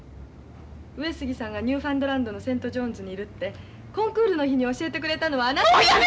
上杉さんがニューファンドランドのセントジョーンズにいるってコンクールの日に教えてくれたのはあなたですもの。